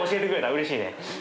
うれしいね。